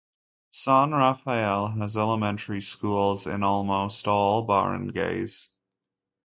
San Rafael has elementary schools in almost all barangays.